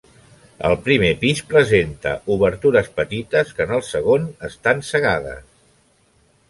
El primer pis presenta obertures petites que en el segon estan cegades.